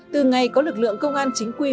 từ ngày có lực lượng công an chính quy